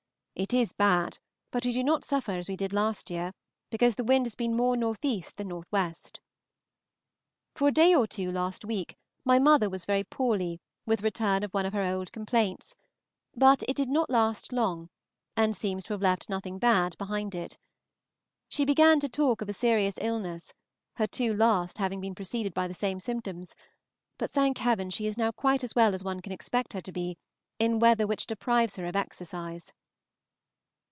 It is bad, but we do not suffer as we did last year, because the wind has been more N.E. than N.W. For a day or two last week my mother was very poorly with a return of one of her old complaints, but it did not last long, and seems to have left nothing bad behind it. She began to talk of a serious illness, her two last having been preceded by the same symptoms, but, thank heaven! she is now quite as well as one can expect her to be in weather which deprives her of exercise.